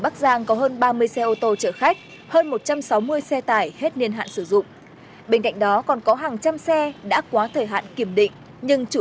tài hết niên hạn sử dụng bên cạnh đó còn có hàng trăm xe đã quá thời hạn kiểm định nhưng chủ